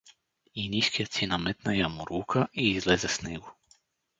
И ниският си наметна ямурлука и излезе с него.